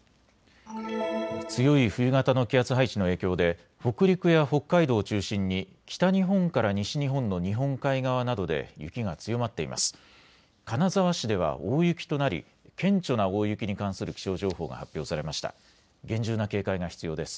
強い冬型の気圧配置の影響で北陸や北海道を中心に北日本から西日本の日本海側などで雪が強まっています。